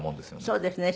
そうですね。